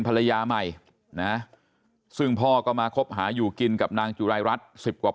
ภรรยาใหม่นะซึ่งพ่อก็มาคบหาอยู่กินกับนางจุรายรัฐสิบกว่า